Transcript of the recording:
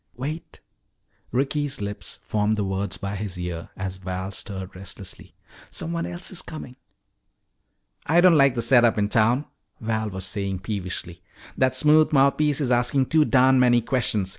"Wait," Ricky's lips formed the words by his ear as Val stirred restlessly. "Someone else is coming." "I don't like the set up in town," Red was saying peevishly. "That smooth mouthpiece is asking too darn many questions.